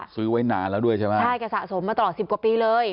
ซื้อไว้นานแล้วด้วยใช่ไหมใช่แกสะสมมาตลอดสิบกว่าปีเลย